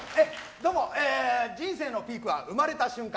どうも、人生のピークは生まれた瞬間。